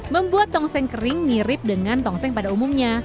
membuat tongseng kering mirip dengan tongseng pada umumnya